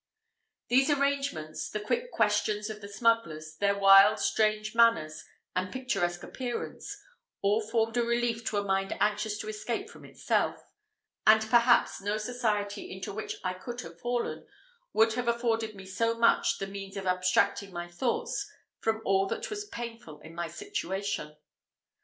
These arrangements, the quick questions of the smugglers, their wild, strange manners, and picturesque appearance, all formed a relief to a mind anxious to escape from itself; and perhaps no society into which I could have fallen would have afforded me so much the means of abstracting my thoughts from all that was painful in my situation.